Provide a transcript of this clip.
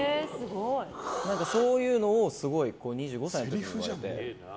そういうのを２５歳の時に言われて。